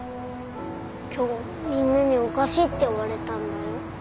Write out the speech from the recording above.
今日みんなにおかしいって言われたんだよ。